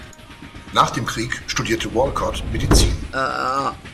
Nach dem Kriege studierte Wolcott Medizin.